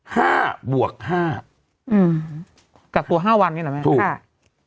ห้าบวกห้าอืมกักตัวห้าวันนี้เหรอแม่ถูกค่ะ